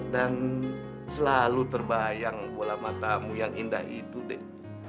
dan selalu terbayang bola matamu yang indah itu dek